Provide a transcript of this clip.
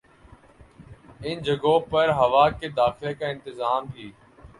ان جگہوں پر ہوا کے داخلے کا انتظام بھی